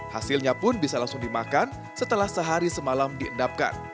hasilnya pun bisa langsung dimakan setelah sehari semalam diendapkan